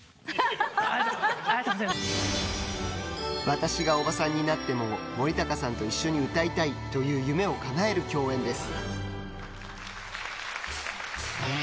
「私がオバさんになっても」を森高さんと一緒に歌いたいという夢をかなえる共演です。